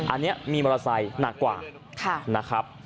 อันนี้มีมอเตอร์ไซน์หนักกว่า